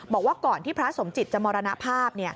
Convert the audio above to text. บอกว่าก่อนที่พระสมจิตจะมรณภาพ